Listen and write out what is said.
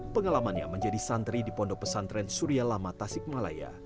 pengalamannya menjadi santri di pondok pesantren surya lama tasik malaya